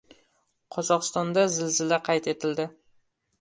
Qozog'istonda zilzila qayd etildi.